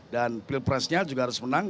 dan pilpresnya juga harus menang